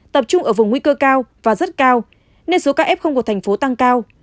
tập trung ở vùng nguy cơ cao và rất cao nên số ca f của thành phố tăng cao